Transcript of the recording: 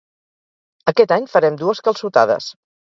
Aquest any farem dues calçotades.